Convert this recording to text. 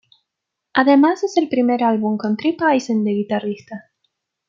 Además es el primer álbum con Tripp Eisen de guitarrista.